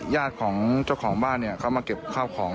ญาติของเจ้าของบ้านเขามาเก็บเข้าของ